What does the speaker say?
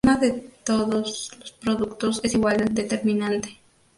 La suma de todos los productos es igual al determinante.